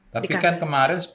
tapi kan kemarin